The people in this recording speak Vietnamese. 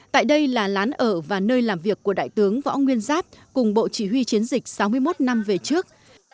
tại đây là lán ở và nơi làm việc của đại tướng võ nguyên giáp cùng bộ chỉ huy chiến dịch sáu mươi một năm về trước